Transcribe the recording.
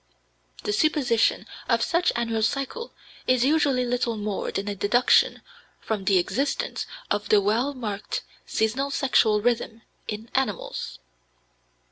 The supposition of such annual cycle is usually little more than a deduction from the existence of the well marked seasonal sexual rhythm in animals.